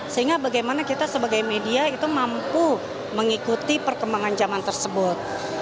sehingga bagaimana kita sebagai media itu mampu mengikuti perkembangan zaman tersebut